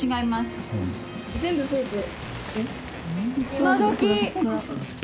今どき！